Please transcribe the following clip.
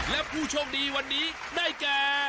และผู้โชคดีวันนี้ได้แก่